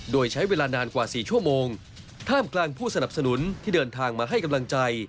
โดยใช้เวลานานกว่า๔ชั่วโมงท่ามกลางผู้สนับสนุนที่เดินทางมาให้กำลังใจ